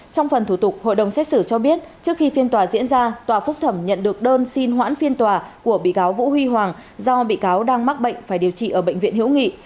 trong phần thủ tục hội đồng xét xử cho biết trước khi phiên tòa diễn ra tòa phúc thẩm nhận được đơn xin hoãn phiên tòa của bị cáo vũ huy hoàng do bị cáo đang mắc bệnh phải điều trị ở bệnh viện hữu nghị